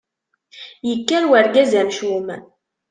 Yekker urgaz amcum.